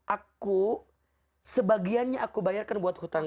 aku sebagiannya aku bayarkan buat hutan